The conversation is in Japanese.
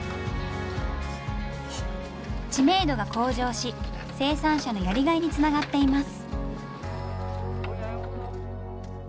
知名度が向上し生産者のやりがいにつながっています。